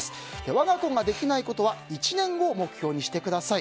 我が子ができないことは１年後を目標にしてください。